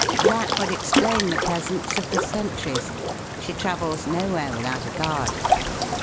That would explain the presence of the sentries. She travels nowhere without a guard."